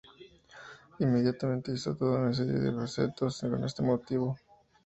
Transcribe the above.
Inmediatamente hizo toda una serie de bocetos con este motivo.